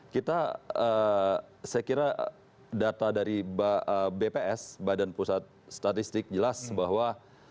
kita saya kira data dari bps badan pusat statistik jelas bahwa